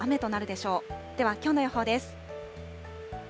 ではきょうの予報です。